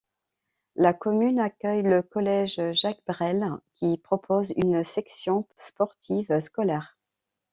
La commune accueille le collège Jacques Brel, qui propose une section sportive scolaire.